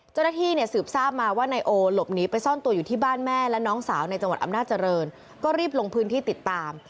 เจ้าหน้าที่เนี่ยสืบทราบมาว่านายโอหลบหนีไปซ่อนตัวอยู่ที่บ้านแม่และน้องสาวในจังหวัดอำนาจริงก็รีบลงพื้นที่ติดตาม